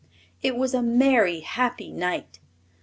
It was a merry, happy night.